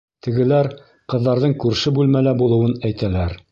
Тегеләр ҡыҙҙарҙың күрше бүлмәлә булыуын әйтәләр.